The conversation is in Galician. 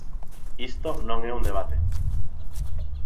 Isto non é un debate.